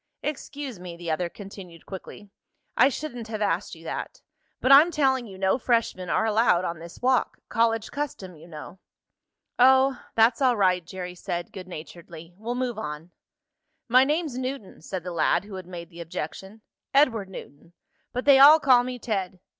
"Excuse me," the other continued quickly. "I shouldn't have asked you that. But I'm telling you no freshmen are allowed on this walk. College custom, you know." "Oh, that's all right," Jerry said, good naturedly. "We'll move on." "My name's Newton," said the lad who had made the objection. "Edward Newton but they all call me Ted.